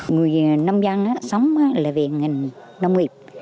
người nông dân sống là viện nông nghiệp